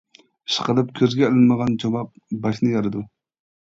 ئىشقىلىپ كۆزگە ئىلمىغان چوماق، باشنى يارىدۇ.